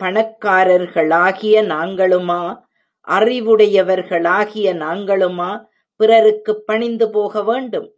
பணக்காரர்களாகிய நாங்களுமா, அறிவுடையவர்களாகிய நாங்களுமா, பிறருக்குப் பணிந்து போக வேண்டும்?